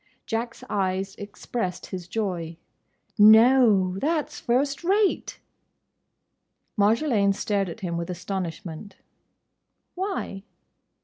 Jack's eyes expressed his joy. "No!—that's first rate!" Marjolaine stared at him with astonishment. "Why?"